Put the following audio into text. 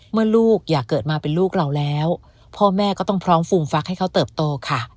ลูกอยากเกิดมาเป็นลูกเราแล้วพ่อแม่ก็ต้องพร้อมฟูมฟักให้เขาเติบโตค่ะ